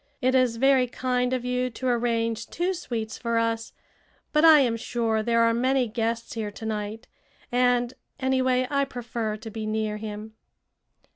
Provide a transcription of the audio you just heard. It is very kind of you to arrange two suites for us, but I am sure there are many guests here to night and, anyway, I prefer to be near him."